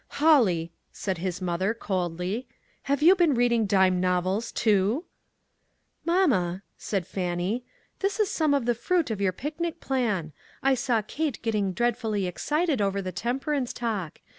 " Holly," said his mother, coldly, " have you been reading dime novels, too?" "Mamma," said Fannie, "this is some of the fruit of your picnic plan. I saw Kate getting dreadfully excited over the temper ance talk.